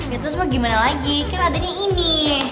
ya terus mah gimana lagi kan adanya ini